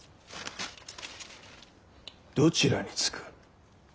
どちらにつく？